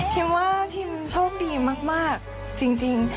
ว่าพิมโชคดีมากจริง